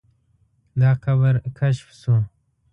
دا قبر کشف شو.